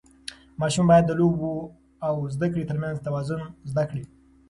ماشوم باید د لوبو او زده کړې ترمنځ توازن زده کړي.